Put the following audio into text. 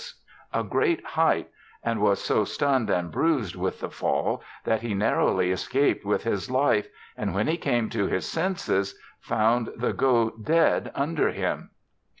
ss 1709 5* Life aboard a 1709 a great height and was so stun'd and bruised with the fall that he narrowly escap'd with his life, and when he came to his senses found the goat dead under him.